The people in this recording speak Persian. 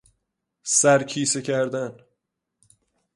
سر کیسه کردن